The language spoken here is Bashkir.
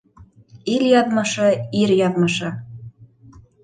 Ил яҙмышы ир яҙмышы.